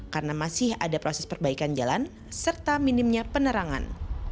karena masih ada proses perbaikan jalan serta minimnya penerangan